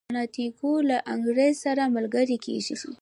سانتیاګو له انګریز سره ملګری کیږي.